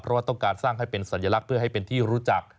เพราะว่าต้องการสร้างให้เป็นสัญลักษณ์เพื่อให้เป็นที่รู้จัก